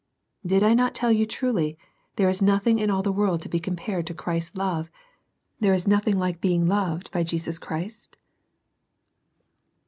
Did I not tell you truly, there is nothing in all the world to be compared to Christ's love, there is nothing like being loved by Jesus Christ